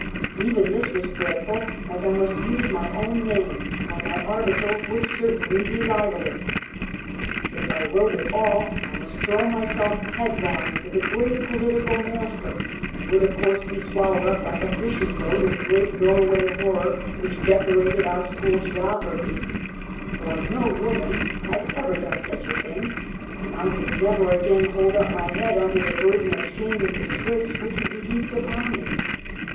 Even this was dreadful, as I must use my own name, for my ar ticles would certainly be libelous. If I wrote at all, I must throw myself headlong into the great political maelstrom, and would of course be swallowed up like a fishing boat in the great JSTorway horror which dec orated our school geographies ; for no woman had ever done such a thing, and I could never again hold up my head under the burden of shame and disgrace which would be heaped upon me.